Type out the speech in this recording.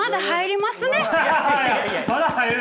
まだ入る？